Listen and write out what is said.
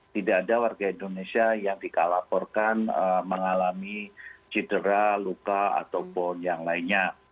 tidak ada warga indonesia yang dikalaporkan mengalami cedera luka ataupun yang lainnya